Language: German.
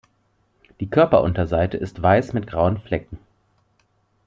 Die Körperunterseite ist weiß mit grauen Flecken.